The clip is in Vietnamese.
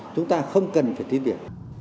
chúng ta không cần phải thi điểm